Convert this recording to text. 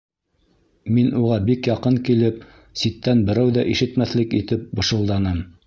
Мин уға бик яҡын килеп, ситтән берәү ҙә ишетмәҫлек итеп бышылданым: